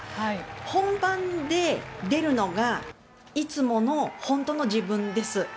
本番で出るのがいつもの本当の自分です。